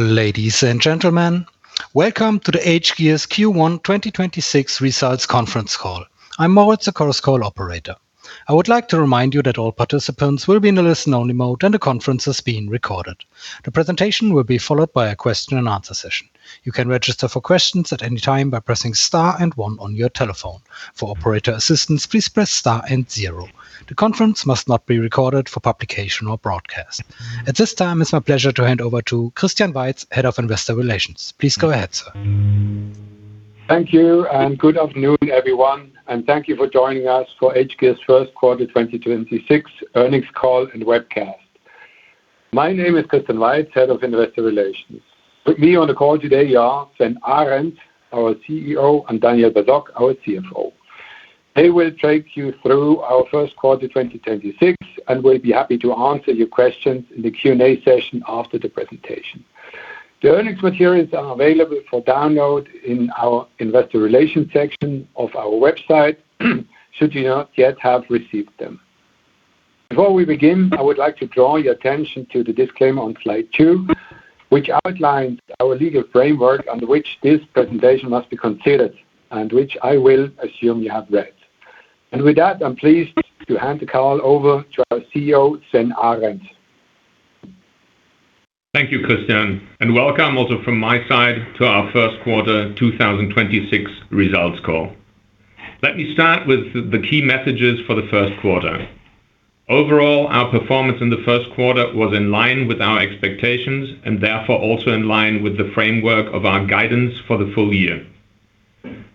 Ladies and gentlemen, welcome to the hGears Q1 2026 results conference call. I'm Moritz, the Chorus Call operator. I would like to remind you that all participants will be in the listen-only mode, and the conference is being recorded. The presentation will be followed by a question and answer session. You can register for questions at any time by pressing star and one on your telephone. For operator assistance, please press star and zero. The conference must not be recorded for publication or broadcast. At this time, it's my pleasure to hand over to Christian Weiz, Head of Investor Relations. Please go ahead, sir. Thank you, good afternoon, everyone, and thank you for joining us for hGears first quarter 2026 earnings call and webcast. My name is Christian Weiz, Head of Investor Relations. With me on the call today are Sven Arend, our CEO, and Daniel Basok, our CFO. They will take you through our first quarter 2026 and will be happy to answer your questions in the Q&A session after the presentation. The earnings materials are available for download in our investor relations section of our website should you not yet have received them. Before we begin, I would like to draw your attention to the disclaimer on slide two, which outlines our legal framework under which this presentation must be considered and which I will assume you have read. With that, I'm pleased to hand the call over to our CEO, Sven Arend. Thank you, Christian, and welcome also from my side to our first quarter 2026 results call. Let me start with the key messages for the first quarter. Overall, our performance in the first quarter was in line with our expectations and therefore also in line with the framework of our guidance for the full year.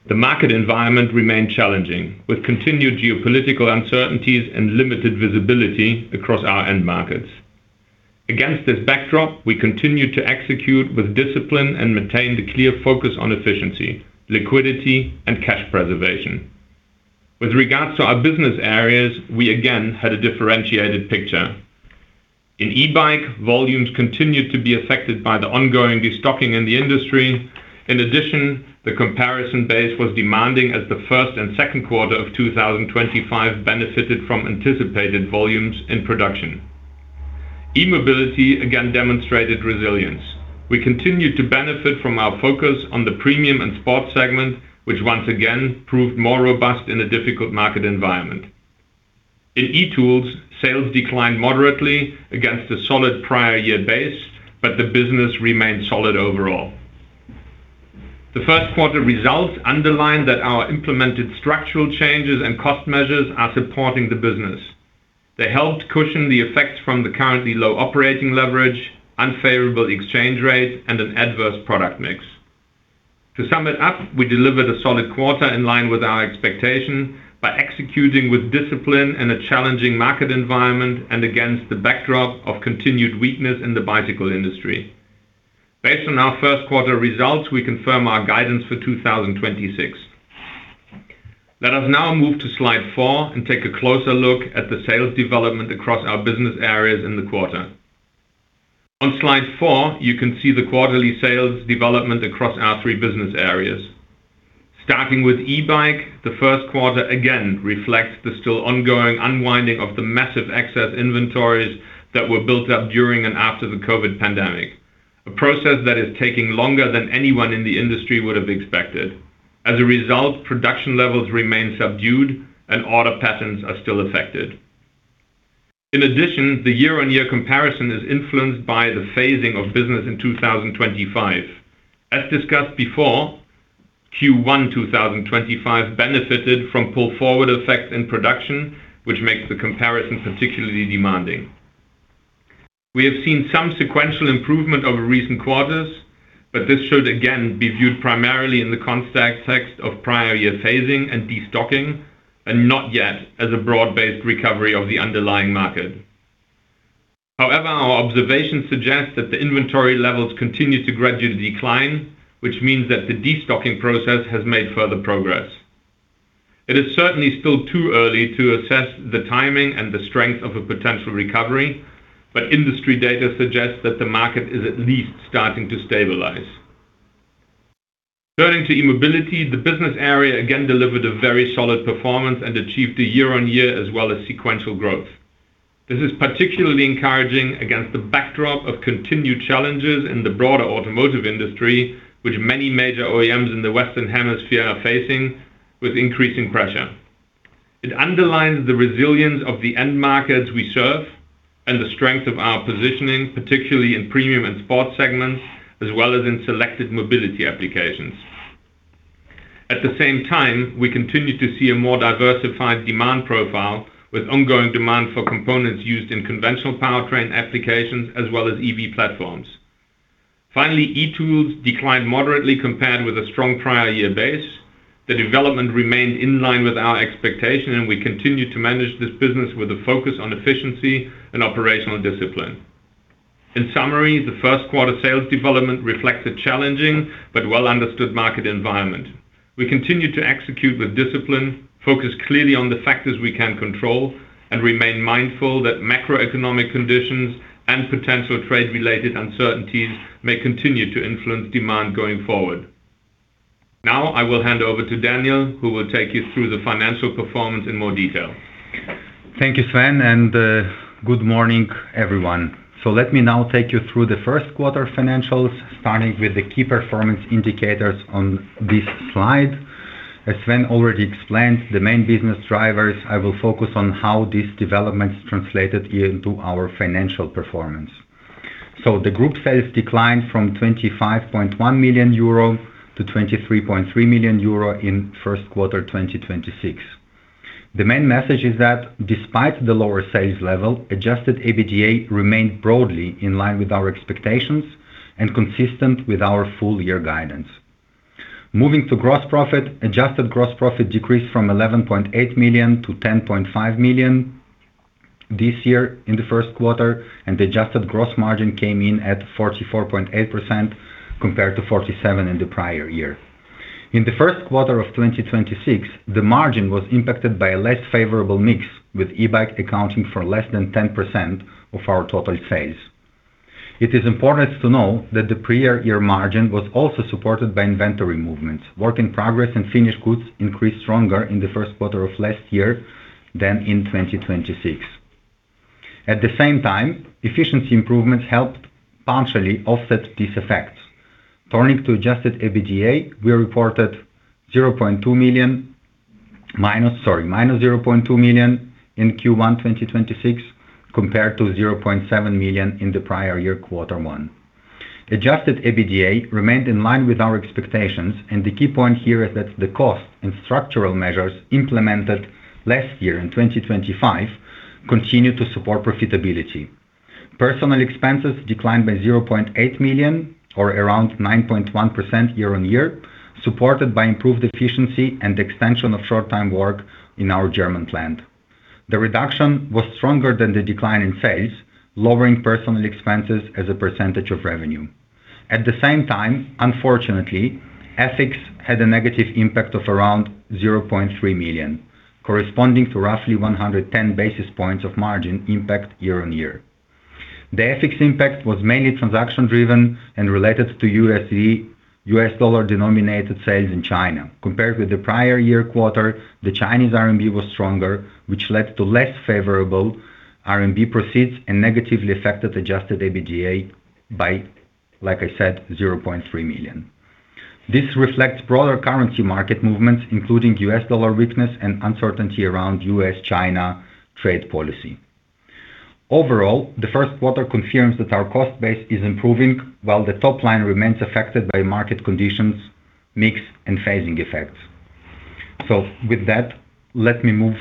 The market environment remained challenging, with continued geopolitical uncertainties and limited visibility across our end markets. Against this backdrop, we continued to execute with discipline and maintained a clear focus on efficiency, liquidity and cash preservation. With regards to our business areas, we again had a differentiated picture. In e-Bike, volumes continued to be affected by the ongoing destocking in the industry. In addition, the comparison base was demanding as the first and second quarter of 2025 benefited from anticipated volumes in production. [e]-Mobility again demonstrated resilience. We continued to benefit from our focus on the premium and sports segment, which once again proved more robust in a difficult market environment. In e-Tools, sales declined moderately against a solid prior year base, but the business remained solid overall. The first quarter results underlined that our implemented structural changes and cost measures are supporting the business. They helped cushion the effects from the currently low operating leverage, unfavorable exchange rate, and an adverse product mix. To sum it up, we delivered a solid quarter in line with our expectation by executing with discipline in a challenging market environment and against the backdrop of continued weakness in the bicycle industry. Based on our first quarter results, we confirm our guidance for 2026. Let us now move to slide four and take a closer look at the sales development across our business areas in the quarter. On slide four, you can see the quarterly sales development across our three business areas. Starting with e-Bike, the first quarter again reflects the still ongoing unwinding of the massive excess inventories that were built up during and after the COVID pandemic, a process that is taking longer than anyone in the industry would have expected. As a result, production levels remain subdued and order patterns are still affected. In addition, the year-on-year comparison is influenced by the phasing of business in 2025. As discussed before, Q1 2025 benefited from pull-forward effects in production, which makes the comparison particularly demanding. We have seen some sequential improvement over recent quarters, but this should again be viewed primarily in the context of prior year phasing and destocking and not yet as a broad-based recovery of the underlying market. However, our observations suggest that the inventory levels continue to gradually decline, which means that the destocking process has made further progress. It is certainly still too early to assess the timing and the strength of a potential recovery, but industry data suggests that the market is at least starting to stabilize. Turning to [e]-Mobility, the business area again delivered a very solid performance and achieved a year-on-year as well as sequential growth. This is particularly encouraging against the backdrop of continued challenges in the broader automotive industry, which many major OEMs in the Western Hemisphere are facing with increasing pressure. It underlines the resilience of the end markets we serve and the strength of our positioning, particularly in premium and sports segments, as well as in selected mobility applications. At the same time, we continue to see a more diversified demand profile with ongoing demand for components used in conventional powertrain applications as well as EV platforms. Finally, e-Tools declined moderately compared with a strong prior year base. The development remained in line with our expectation, and we continue to manage this business with a focus on efficiency and operational discipline. In summary, the first quarter sales development reflects a challenging but well-understood market environment. We continue to execute with discipline, focus clearly on the factors we can control, and remain mindful that macroeconomic conditions and potential trade-related uncertainties may continue to influence demand going forward. Now I will hand over to Daniel, who will take you through the financial performance in more detail. Thank you, Sven, good morning, everyone. Let me now take you through the first quarter financials, starting with the key performance indicators on this slide. As Sven already explained, the main business drivers, I will focus on how these developments translated into our financial performance. The group sales declined from 25.1 million-23.3 million euro in first quarter 2026. The main message is that despite the lower sales level, adjusted EBITDA remained broadly in line with our expectations and consistent with our full year guidance. Moving to gross profit, adjusted gross profit decreased from 11.8 million-10.5 million this year in the first quarter. The adjusted gross margin came in at 44.8% compared to 47% in the prior year. In the first quarter of 2026, the margin was impacted by a less favorable mix, with e-Bike accounting for less than 10% of our total sales. It is important to know that the prior year margin was also supported by inventory movement. Work in progress and finished goods increased stronger in the first quarter of last year than in 2026. At the same time, efficiency improvements helped partially offset this effect. Turning to adjusted EBITDA, we reported 0.2 million, sorry, -0.2 million in Q1 2026, compared to 0.7 million in the prior year, quarter one. Adjusted EBITDA remained in line with our expectations. The key point here is that the cost and structural measures implemented last year in 2025 continue to support profitability. Personnel expenses declined by 0.8 million or around 9.1% year-on-year, supported by improved efficiency and extension of short-time work in our German plant. The reduction was stronger than the decline in sales, lowering personnel expenses as a percentage of revenue. Unfortunately, FX had a negative impact of around 0.3 million, corresponding to roughly 110 basis points of margin impact year-on-year. The FX impact was mainly transaction driven and related to USD, U.S. dollar-denominated sales in China. Compared with the prior year quarter, the Chinese RMB was stronger, which led to less favorable RMB proceeds and negatively affected adjusted EBITDA by, like I said, 0.3 million. This reflects broader currency market movements, including U.S. dollar weakness and uncertainty around U.S.-China trade policy. Overall, the first quarter confirms that our cost base is improving while the top line remains affected by market conditions, mix and phasing effects. With that, let me move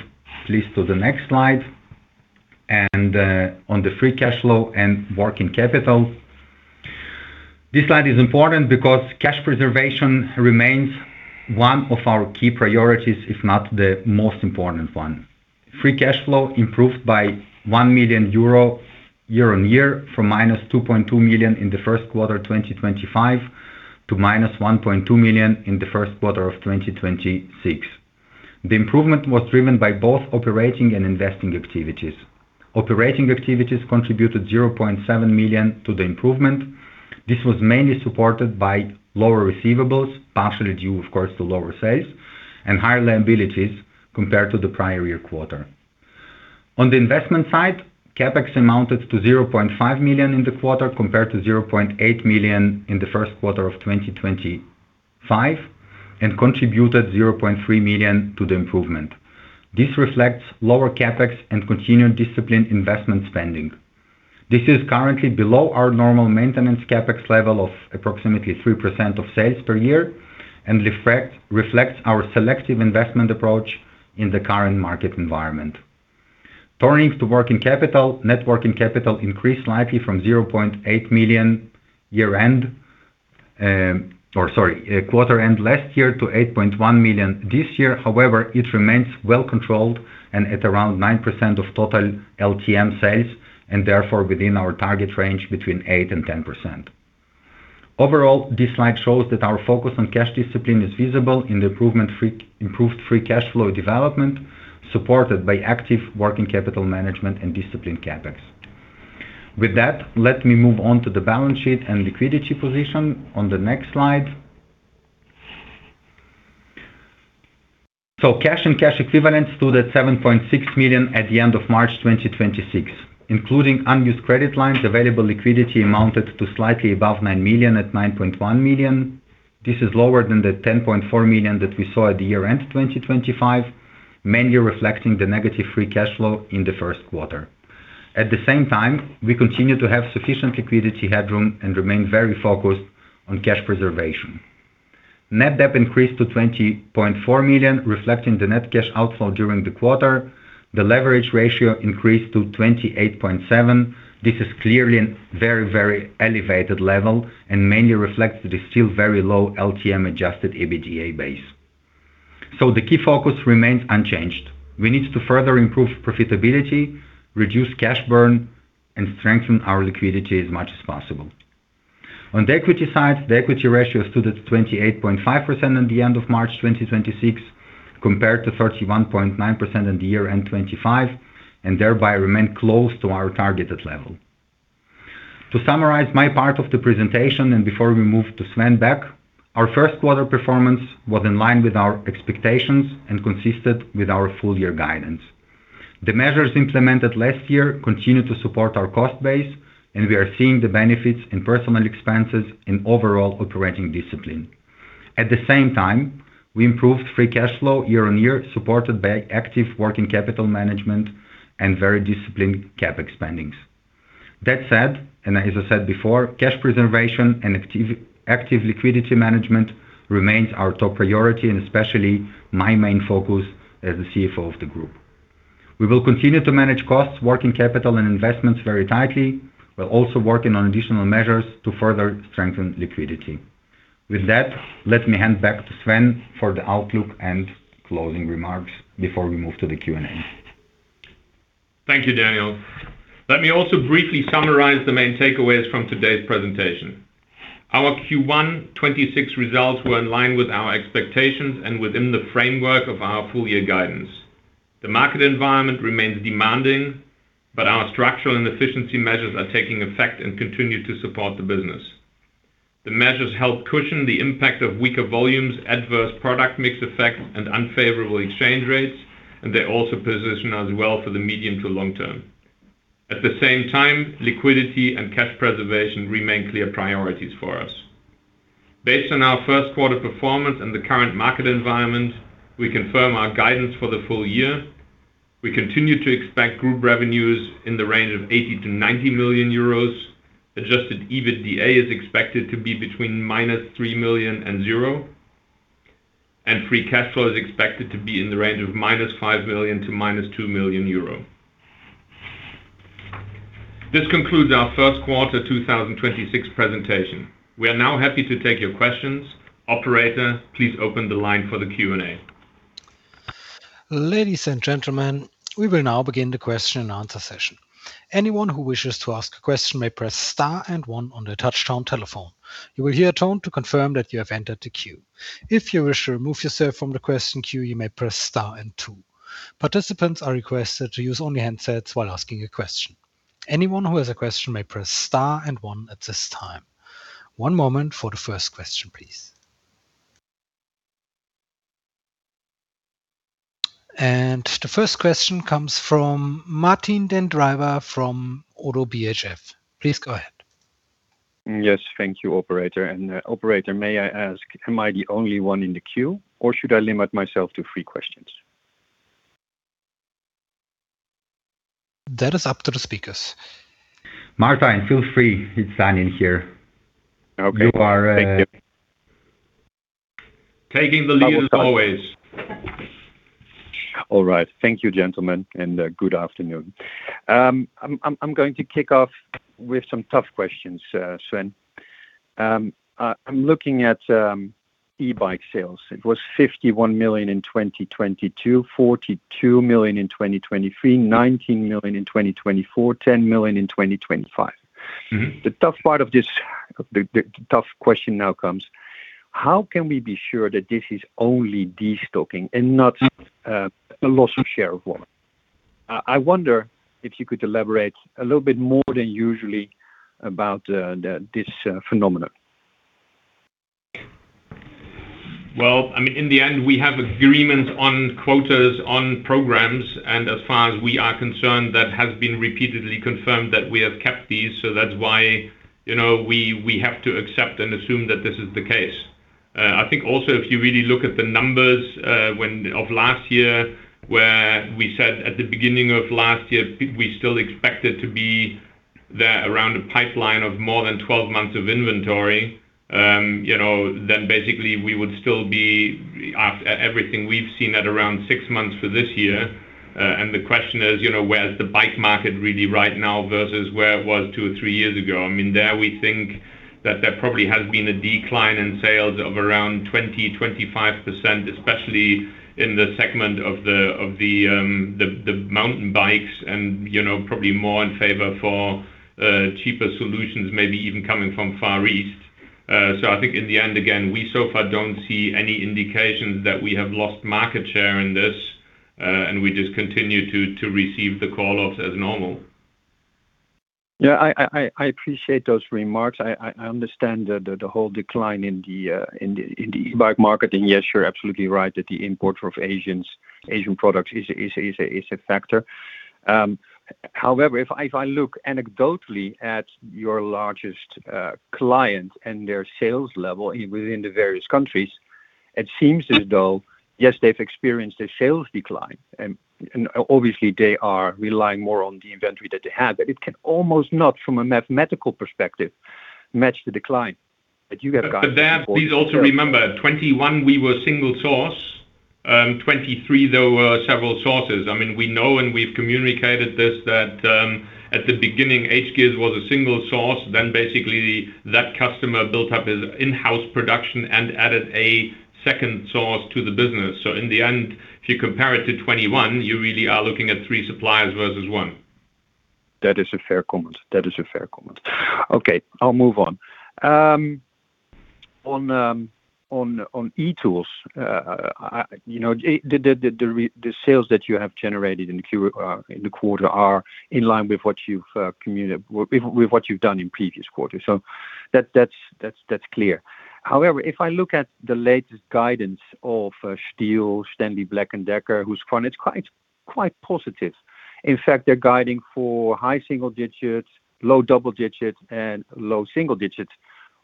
please to the next slide and on the free cash flow and working capital. This slide is important because cash preservation remains one of our key priorities, if not the most important one. Free cash flow improved by 1 million euro year-on-year from -2.2 million in the first quarter 2025 to -1.2 million in the first quarter of 2026. The improvement was driven by both operating and investing activities. Operating activities contributed 0.7 million to the improvement. This was mainly supported by lower receivables, partially due of course, to lower sales and higher liabilities compared to the prior year quarter. On the investment side, CapEx amounted to 0.5 million in the quarter compared to 0.8 million in the first quarter of 2025 and contributed 0.3 million to the improvement. This reflects lower CapEx and continued disciplined investment spending. This is currently below our normal maintenance CapEx level of approximately 3% of sales per year and reflects our selective investment approach in the current market environment. Turning to working capital, net working capital increased slightly from 0.8 million year-end, or sorry, quarter end last year to 8.1 million this year. However, it remains well controlled and at around 9% of total LTM sales, and therefore within our target range between 8% and 10%. Overall, this slide shows that our focus on cash discipline is visible in the improved free cash flow development, supported by active working capital management and disciplined CapEx. With that, let me move on to the balance sheet and liquidity position on the next slide. Cash and cash equivalents stood at 7.6 million at the end of March 2026. Including unused credit lines, available liquidity amounted to slightly above 9 million at 9.1 million. This is lower than the 10.4 million that we saw at the year-end 2025, mainly reflecting the negative free cash flow in the first quarter. At the same time, we continue to have sufficient liquidity headroom and remain very focused on cash preservation. Net debt increased to 20.4 million, reflecting the net cash outflow during the quarter. The leverage ratio increased to 28.7%. This is clearly a very, very elevated level and mainly reflects the still very low LTM adjusted EBITDA base. The key focus remains unchanged. We need to further improve profitability, reduce cash burn, and strengthen our liquidity as much as possible. On the equity side, the equity ratio stood at 28.5% at the end of March 2026, compared to 31.9% at the year-end 2025, and thereby remained close to our targeted level. To summarize my part of the presentation and before we move to Sven back, our first quarter performance was in line with our expectations and consisted with our full year guidance. The measures implemented last year continue to support our cost base, and we are seeing the benefits in personal expenses and overall operating discipline. At the same time, we improved free cash flow year-on-year, supported by active working capital management and very disciplined CapEx spendings. That said, and as I said before, cash preservation and active liquidity management remains our top priority and especially my main focus as the CFO of the group. We will continue to manage costs, working capital and investments very tightly. We're also working on additional measures to further strengthen liquidity. With that, let me hand back to Sven for the outlook and closing remarks before we move to the Q&A. Thank you, Daniel. Let me also briefly summarize the main takeaways from today's presentation. Our Q1 2026 results were in line with our expectations and within the framework of our full year guidance. The market environment remains demanding, but our structural and efficiency measures are taking effect and continue to support the business. The measures help cushion the impact of weaker volumes, adverse product mix effect and unfavorable exchange rates, and they also position us well for the medium to long term. At the same time, liquidity and cash preservation remain clear priorities for us. Based on our first quarter performance and the current market environment, we confirm our guidance for the full year. We continue to expect group revenues in the range of 80 million-90 million euros. Adjusted EBITDA is expected to be between -3 million and 0. Free cash flow is expected to be in the range of -5 million to -2 million euro. This concludes our first quarter 2026 presentation. We are now happy to take your questions. Operator, please open the line for the Q&A. Ladies and gentlemen, we will now begin the question and answer session. Anyone who wishes to ask a question, may press star and one on the touchtone telephone. You will hear a tone to confirm that you have entered the queue. If you refer to move yourself from the question queue, you may press star and two. Participants are requested to use only handsets while asking a question. Anyone who has a question, may press star and one at this time. One moment for the first question, please. The first question comes from Martijn den Drijver from Oddo BHF. Please go ahead. Yes, thank you, operator. Operator, may I ask, am I the only one in the queue, or should I limit myself to three questions? That is up to the speakers. Martijn, feel free. It's fun in here. Okay. You are, uh- Taking the lead as always. All right. Thank you, gentlemen, and good afternoon. I'm going to kick off with some tough questions, Sven. I'm looking at e-Bike sales. It was 51 million in 2022, 42 million in 2023, 19 million in 2024, 10 million in 2025. The tough part of this, the tough question now comes: How can we be sure that this is only destocking and not a loss of share of wallet? I wonder if you could elaborate a little bit more than usually about this phenomenon. Well, I mean, in the end, we have agreement on quotas, on programs, and as far as we are concerned, that has been repeatedly confirmed that we have kept these. That's why, you know, we have to accept and assume that this is the case. I think also if you really look at the numbers of last year, where we said at the beginning of last year, we still expected to be around a pipeline of more than 12 months of inventory. You know, basically, we would still be everything we've seen at around six months for this year. The question is, you know, where's the bike market really right now versus where it was two or three years ago? I mean, there, we think that there probably has been a decline in sales of around 20%-25%, especially in the segment of the mountain bikes and, you know, probably more in favor for cheaper solutions, maybe even coming from Far East. I think in the end, again, we so far don't see any indications that we have lost market share in this, and we just continue to receive the call-outs as normal. Yeah, I appreciate those remarks. I understand the whole decline in the e-Bike market. Yes, you're absolutely right that the import of Asian products is a factor. However, if I look anecdotally at your largest client and their sales level within the various countries, it seems as though, yes, they've experienced a sales decline. Obviously, they are relying more on the inventory that they have. It can almost not, from a mathematical perspective, match the decline that you have got- There, please also remember, 2021, we were single source. 2023, there were several sources. I mean, we know and we've communicated this, that, at the beginning, hGears was a single source, then basically that customer built up his in-house production and added a second source to the business. In the end, if you compare it to 2021, you really are looking at three suppliers versus one. That is a fair comment. That is a fair comment. Okay, I'll move on. On e-Tools, you know, the sales that you have generated in the quarter are in line with what you've done in previous quarters. That's clear. However, if I look at the latest guidance of Stanley Black & Decker, whose fund is quite positive. In fact, they're guiding for high single digits, low double digits, and low single digits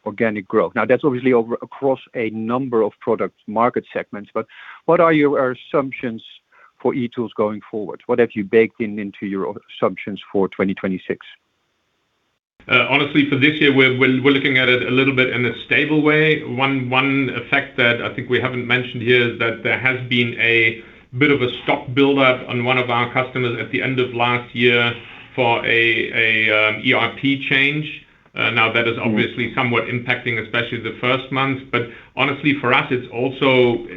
organic growth. That's obviously over across a number of product market segments, but what are your assumptions for e-Tools going forward? What have you baked into your assumptions for 2026? Honestly, for this year, we're looking at it a little bit in a stable way. One effect that I think we haven't mentioned here is that there has been a bit of a stock buildup on one of our customers at the end of last year for a ERP change. Obviously somewhat impacting, especially the first months. Honestly, for us, it's also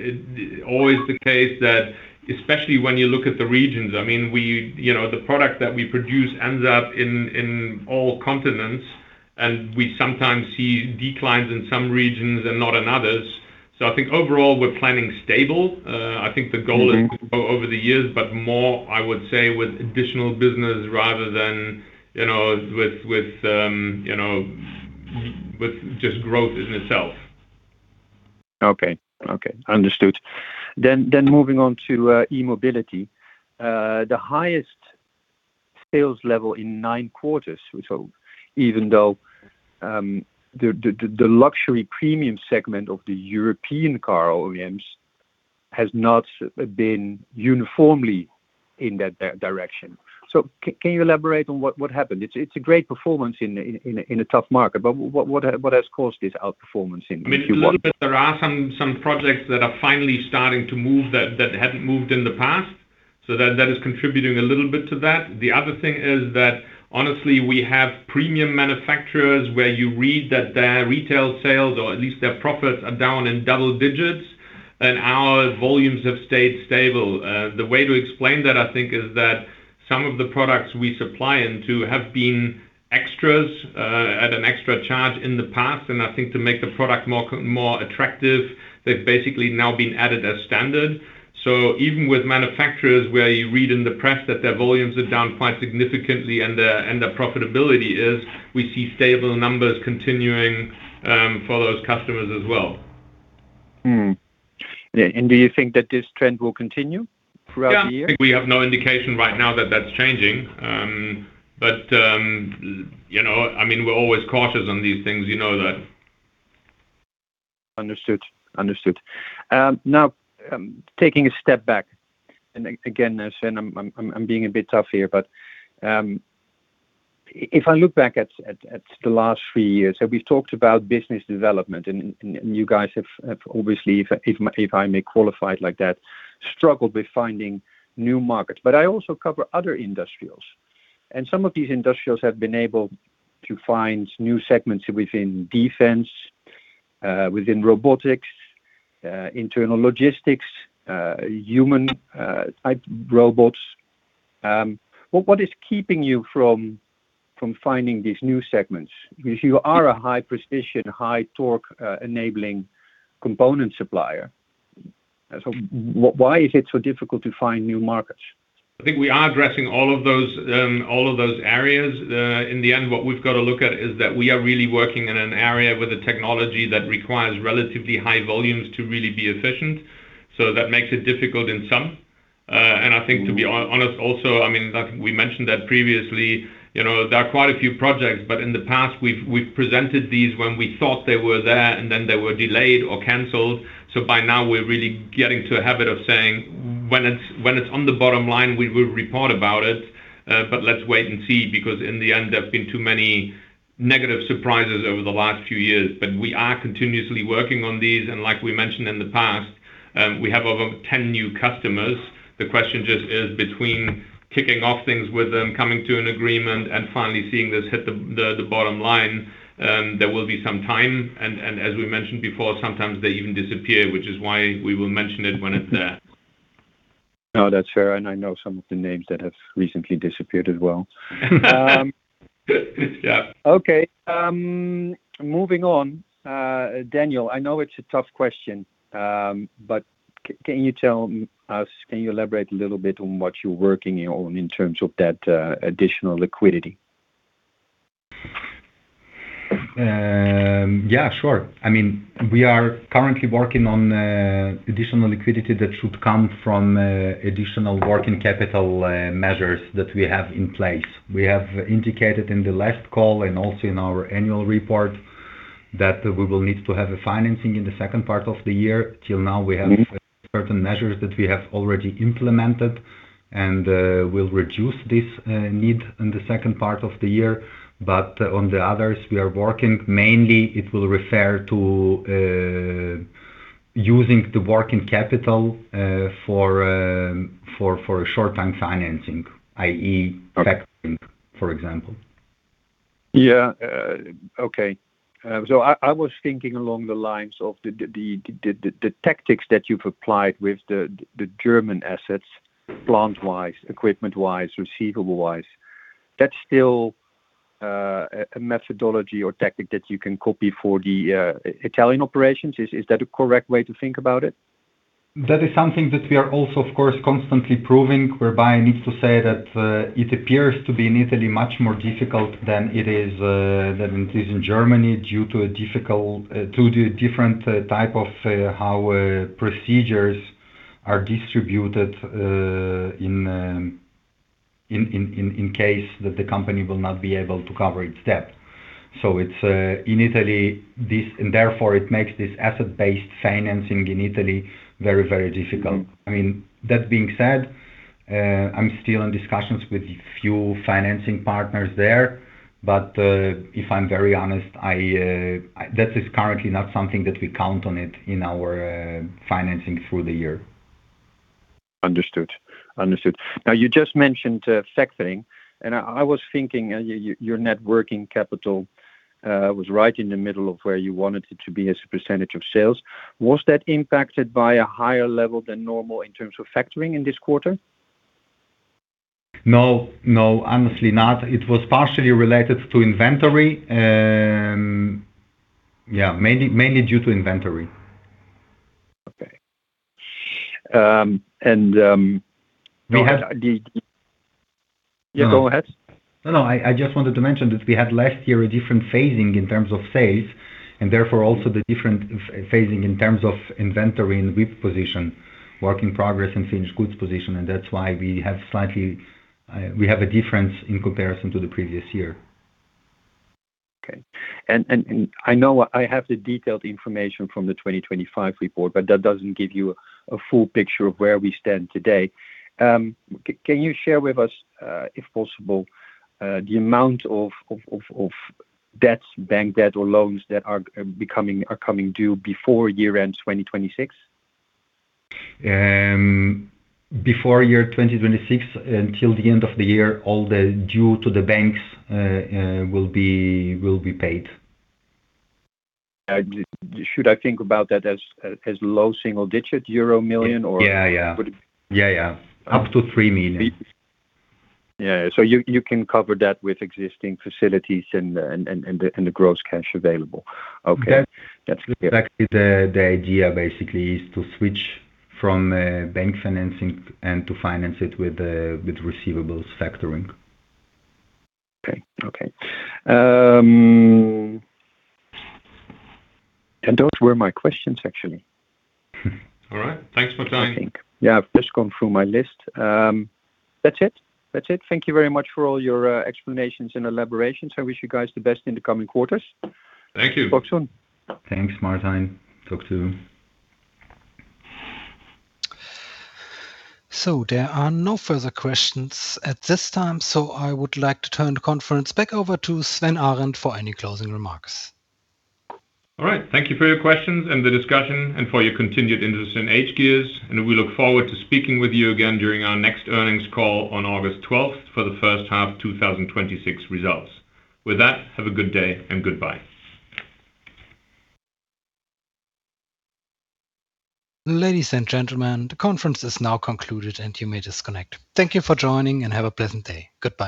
always the case that especially when you look at the regions, I mean, we, you know, the product that we produce ends up in all continents, and we sometimes see declines in some regions and not in others. I think overall, we're planning stable. I think the goal is to grow over the years, but more, I would say, with additional business rather than, you know, with, you know, with just growth in itself. Okay. Okay. Understood. Moving on to [e]-Mobility, the highest sales level in nine quarters. Even though the luxury premium segment of the European car OEMs has not been uniformly in that direction. Can you elaborate on what happened? It's a great performance in a tough market, but what has caused this outperformance in Q1? I mean, a little bit, there are some projects that are finally starting to move that hadn't moved in the past. That is contributing a little bit to that. The other thing is that, honestly, we have premium manufacturers where you read that their retail sales, or at least their profits are down in double digits, and our volumes have stayed stable. The way to explain that, I think, is that some of the products we supply into have been extras at an extra charge in the past. I think to make the product more attractive, they've basically now been added as standard. Even with manufacturers where you read in the press that their volumes are down quite significantly and their profitability is, we see stable numbers continuing for those customers as well. Yeah. Do you think that this trend will continue throughout the year? Yeah. I think we have no indication right now that that's changing. You know, I mean, we're always cautious on these things, you know that. Understood. Understood. Now, taking a step back, and again, Sven, I'm being a bit tough here, if I look back at the last three years, we've talked about business development, and you guys have obviously, if I may qualify it like that, struggled with finding new markets. I also cover other industrials, and some of these industrials have been able to find new segments within defense, within robotics, internal logistics, human type robots. What is keeping you from finding these new segments? If you are a high precision, high torque enabling component supplier, why is it so difficult to find new markets? I think we are addressing all of those, all of those areas. In the end, what we've got to look at is that we are really working in an area with a technology that requires relatively high volumes to really be efficient. That makes it difficult in some. I think, to be honest also, I mean, that we mentioned that previously, you know, there are quite a few projects, but in the past, we've presented these when we thought they were there, and then they were delayed or canceled. By now, we're really getting to a habit of saying, when it's on the bottom line, we will report about it. Let's wait and see because in the end, there have been too many negative surprises over the last few years. We are continuously working on these, and like we mentioned in the past, we have over 10 new customers. The question just is between kicking off things with them, coming to an agreement, and finally seeing this hit the bottom line. There will be some time and as we mentioned before, sometimes they even disappear, which is why we will mention it when it's there. No, that's fair. I know some of the names that have recently disappeared as well. Yeah. Okay. Moving on, Daniel, I know it's a tough question, but can you elaborate a little bit on what you're working on in terms of that additional liquidity? Yeah, sure. I mean, we are currently working on additional liquidity that should come from additional working capital measures that we have in place. We have indicated in the last call and also in our annual report that we will need to have a financing in the second part of the year. Till now, we have. Certain measures that we have already implemented and will reduce this need in the second part of the year. On the others, we are working, mainly it will refer to using the working capital for short-term financing, Okay. factoring, for example. Okay. I was thinking along the lines of the tactics that you've applied with the German assets, plant-wise, equipment-wise, receivable-wise. That's still a methodology or tactic that you can copy for the Italian operations. Is that a correct way to think about it? That is something that we are also, of course, constantly proving, whereby I need to say that it appears to be in Italy much more difficult than it is than it is in Germany due to the different type of how procedures are distributed in case that the company will not be able to cover its debt. It's in Italy, and therefore it makes this asset-based financing in Italy very, very difficult. I mean, that being said, I'm still in discussions with a few financing partners there, but if I'm very honest, I that is currently not something that we count on it in our financing through the year. Understood. Understood. You just mentioned factoring, I was thinking your net working capital was right in the middle of where you wanted it to be as a percentage of sales. Was that impacted by a higher level than normal in terms of factoring in this quarter? No. No, honestly not. It was partially related to inventory. Yeah, mainly due to inventory. Okay. We had- Yeah, go ahead. No, I just wanted to mention that we had last year a different phasing in terms of sales, and therefore also the different phasing in terms of inventory and WIP position, Work In Progress and finished goods position, and that's why we have slightly, we have a difference in comparison to the previous year. Okay. I know I have the detailed information from the 2025 report, but that doesn't give you a full picture of where we stand today. Can you share with us, if possible, the amount of debts, bank debt or loans that are coming due before year-end 2026? Before year 2026, until the end of the year, all the due to the banks, will be paid. Should I think about that as low single digit Euro million or? Yeah, yeah. Would it- Yeah, yeah. Up to 3 million. Yeah. You can cover that with existing facilities and the gross cash available. Okay. That's exactly the idea basically is to switch from bank financing and to finance it with receivables factoring. Okay. Okay. Those were my questions, actually. All right. Thanks, Martijn. I think. I've just gone through my list. That's it. That's it. Thank you very much for all your explanations and elaborations. I wish you guys the best in the coming quarters. Thank you. Talk soon. Thanks, Martijn. Talk soon. There are no further questions at this time, so I would like to turn the conference back over to Sven Arend for any closing remarks. All right. Thank you for your questions and the discussion, and for your continued interest in hGears, and we look forward to speaking with you again during our next earnings call on August 12th for the first half 2026 results. With that, have a good day and goodbye. Ladies and gentlemen, the conference is now concluded and you may disconnect. Thank you for joining and have a pleasant day. Goodbye.